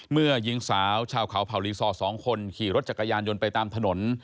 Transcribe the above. เมื่อหญิงสาวชาวเขาเผารีซอร์๒คนขี่รถจักรยานยนต์ไปตามถนน